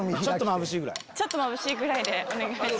ちょっとまぶしいぐらいで。